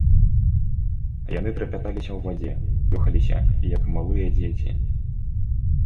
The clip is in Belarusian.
Яны трапяталіся ў вадзе, плёхаліся, як малыя дзеці.